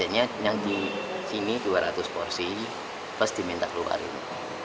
harganya yang di sini dua ratus porsi pas diminta keluar ini